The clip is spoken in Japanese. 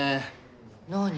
何？